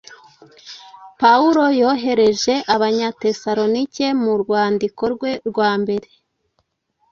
Pawulo yoherereje Abanyatesalonike mu rwandiko rwe rwa mbere,